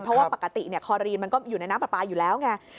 เพราะว่าปกติคอรีนมันก็อยู่ในน้ำปลาปลาอยู่แล้วไง